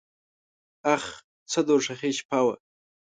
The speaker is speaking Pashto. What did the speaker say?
اخ څه دوږخي شپه وه .